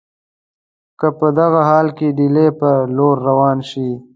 که په دغه حال کې ډهلي پر لور روان شي.